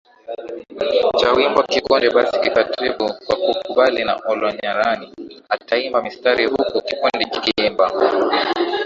cha wimbo Kikundi basi kitajibu kwa kukubali na Olaranyani ataimba mistari huku kikundi kikiimba